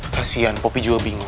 kasian poppy juga bingung